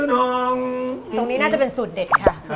น้องตรงนี้น่าจะเป็นสูตรเด็ดค่ะ